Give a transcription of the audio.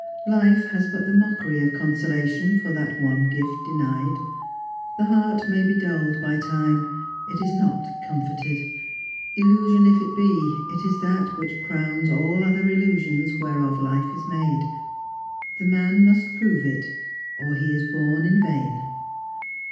Life has but the mockery of consolation for that one gift denied. The heart may be dulled by time; it is not comforted. Illusion if it be, it is that which crowns all other illusions whereof life is made. The man must prove it, or he is born in vain.